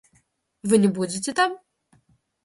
Вы не будете там?